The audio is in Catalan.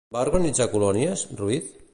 Va organitzar colònies, Ruiz?